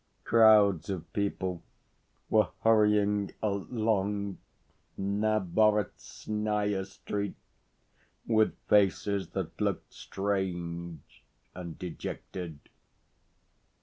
Crowds of people were hurrying along Naberezhnaia Street, with faces that looked strange and dejected.